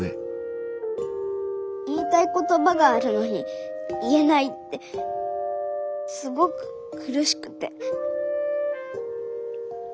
言いたい言葉があるのに言えないってすごく苦しくて。